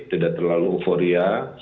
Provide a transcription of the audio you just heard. tidak terlalu euforia